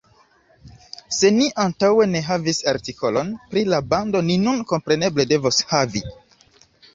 Se ni antaŭe ne havis artikolon pri la bando ni nun kompreneble devos havi!